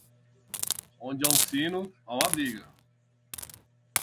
Onde há um sino, há uma briga.